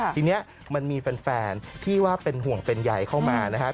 ทีนี้มันมีแฟนที่ว่าเป็นห่วงเป็นใยเข้ามานะครับ